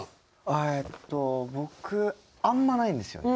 あえっと僕あんまないんですよね。